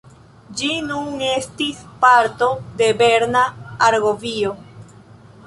Ĝi nun estis parto de Berna Argovio.